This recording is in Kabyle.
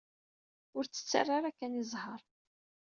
Ur tt-ttarra ara kan i zzheṛ.